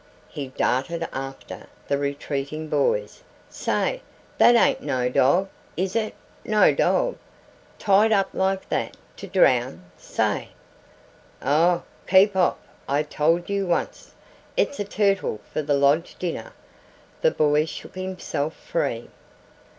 he darted after the retreating boys. "Say that ain't no dog is it no dog? Tied up like that to drown say " "Aw keep off I told you onct it's a turtle for the Lodge dinner." The boy shook himself free.